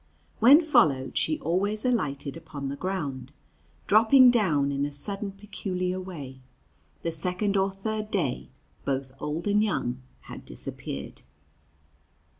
When followed she always alighted upon the ground, dropping down in a sudden, peculiar way. The second or third day both old and young had disappeared.